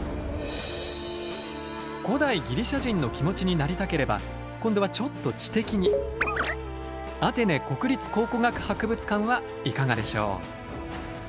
古代ギリシャ人の気持ちになりたければ今度はちょっと知的にアテネ国立考古学博物館はいかがでしょう？